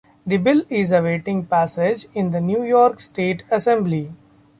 The bill is awaiting passage in the New York State Assembly.